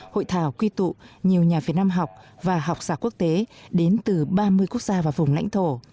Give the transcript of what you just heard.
hội thảo quy tụ nhiều nhà việt nam học và học giả quốc tế đến từ ba mươi quốc gia và vùng lãnh thổ